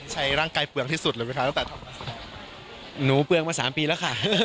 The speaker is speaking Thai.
ร่างกายเปลืองที่สุดเลยไหมคะตั้งแต่หนูเปลืองมาสามปีแล้วค่ะ